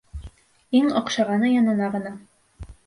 Иң оҡшағаны янына ғына.